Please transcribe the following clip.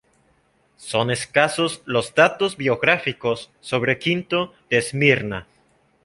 Son escasos los datos biográficos sobre Quinto de Esmirna.